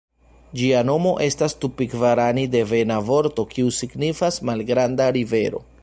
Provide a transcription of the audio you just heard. Ĝia nomo estas tupigvarani-devena vorto, kiu signifas "malgranda rivero".